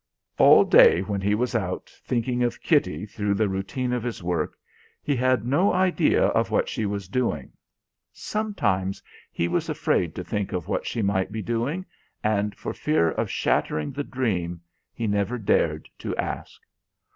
All day when he was out, thinking of Kitty through the routine of his work, he had no idea of what she was doing. Sometimes he was afraid to think of what she might be doing, and for fear of shattering the dream, he never dared to ask.